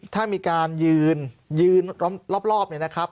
ถ้ามีการยืนยืนรอบเนี่ยนะครับ